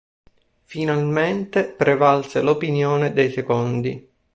Finalmente prevalse l'opinione dei secondi.